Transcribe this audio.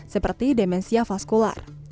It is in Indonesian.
seperti demensia vaskular